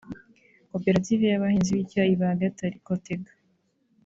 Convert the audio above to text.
Koperative y’abahinzi b’icyayi ba Gatare (Cothega)